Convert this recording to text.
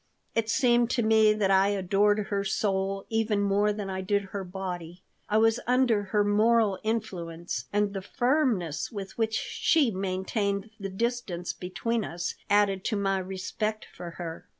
It seemed to me that I adored her soul even more than I did her body. I was under her moral influence, and the firmness with which she maintained the distance between us added to my respect for her.